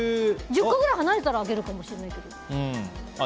１０個ぐらい離れていたらあげるかもしれないけど。